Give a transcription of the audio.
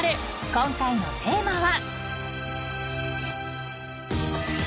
今回のテーマは］